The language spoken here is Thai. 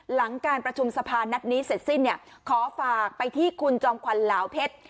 หลังการประชุมสภานัดนี้เสร็จสิ้นเนี่ยขอฝากไปที่คุณจอมขวัญลาวเพชร